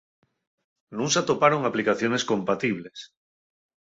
Nun s'atoparon aplicaciones compatibles.